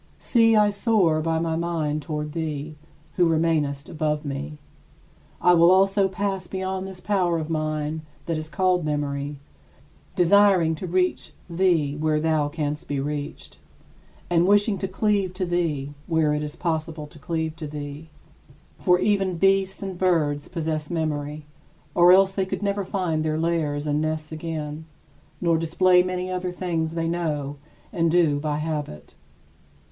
See, I soar by my mind toward thee, who remainest above me. I will also pass beyond this power of mine that is called memory, desiring to reach thee where thou canst be reached, and wishing to cleave to thee where it is possible to cleave to thee. For even beasts and birds possess memory, or else they could never find their lairs and nests again, nor display many other things they know and do by habit.